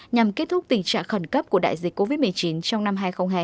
nhằm kết thúc tình trạng khẩn cấp của đại dịch covid một mươi chín trong năm hai nghìn hai mươi